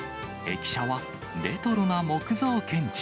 駅舎は、レトロな木造建築。